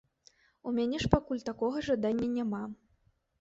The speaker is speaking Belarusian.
У мяне ж пакуль такога жадання няма.